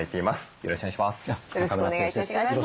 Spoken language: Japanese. よろしくお願いします。